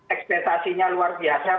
ekspektasinya luar biasa